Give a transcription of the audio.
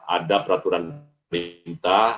ada peraturan perintah